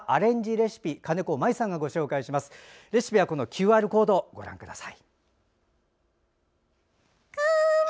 レシピは、ＱＲコードご覧ください。